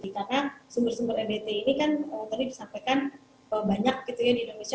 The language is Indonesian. karena sumber sumber ebt ini kan tadi disampaikan banyak di indonesia